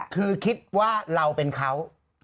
คือคิดว่าเราเป็นเขา